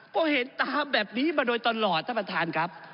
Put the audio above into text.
ก็เห็นตามแบบนี้มาโดยตลอดท่านประธานครับ